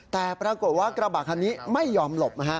แต่ปรากฏว่ากระบะคันนี้ไม่ยอมหลบ